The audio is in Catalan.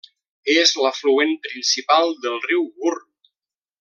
És l'afluent principal del riu Gurn.